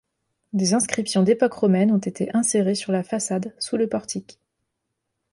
Des inscriptions d'époque romaine ont été insérées sur la façade, sous le portique.